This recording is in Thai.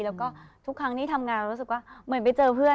แล้วก็ทุกครั้งที่ทำงานเรารู้สึกว่าเหมือนไปเจอเพื่อน